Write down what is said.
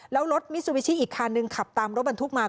แล้วรถมิซูบิชิอีกคันนึงขับตามรถบรรทุกมา